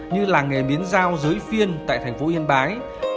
như làng nghề miến dao giới phiên tại thành phố yên bái